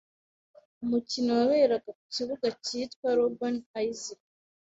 umukino waberaga ku kibuga cyitwa Robben Island.